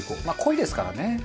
まあ濃いですからね。